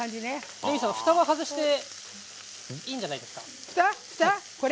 レミさん、ふたは外していいんじゃないですか？